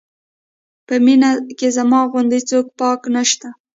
په مینه کې زما غوندې څوک پاک نه شته.